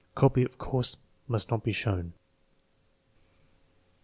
Copy, of course, must not be shown.